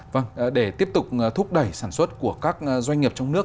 vâng để tiếp tục thúc đẩy sản xuất của các doanh nghiệp trong nước